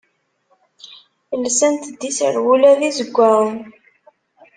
Lsant-d iserwula d izeggaɣen.